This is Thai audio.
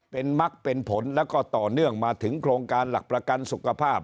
เป็นมักเป็นผลแล้วก็ต่อเนื่องมาถึงโครงการหลักประกันสุขภาพ